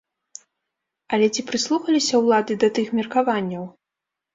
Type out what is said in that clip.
Але ці прыслухаліся ўлады да тых меркаванняў?